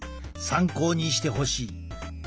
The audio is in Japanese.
参考にしてほしい。